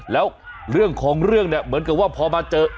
แล้วเรื่องของเรื่องเนี่ยเหมือนกับว่าพอมาเจอ